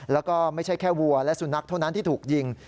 แล้วก็ไม่ใช่แค่วัวและสุนัขเท่านั้นที่ถูกยิง